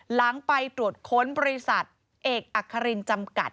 หลังไปตรวจค้นบริษัทเอกอัครินจำกัด